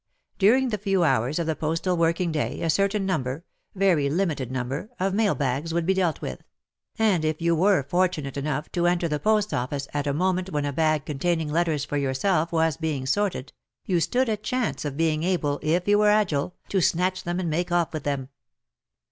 During the few hours of the postal working day a certain number — very limited number — of mail bags would be dealt with, and if you were fortunate enough to enter the post office at a moment when a bag containing letters for yourself was being sorted, you stood a chance of being able, if you were agile, to snatch them and make off with them.